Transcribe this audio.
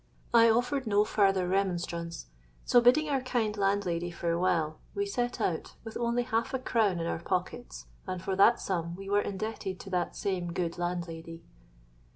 '—I offered no farther remonstrance; so, bidding our kind landlady farewell, we set out, with only half a crown in our pockets; and for that sum we were indebted to that same good landlady.